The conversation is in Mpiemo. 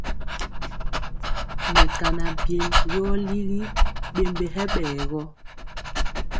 Mɛkana byen yɔ ligi ɓembe hɛ ɓɛ gɔ.